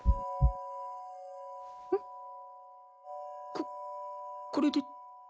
ここれで。